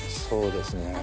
そうですね